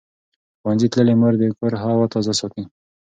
ښوونځې تللې مور د کور هوا تازه ساتي.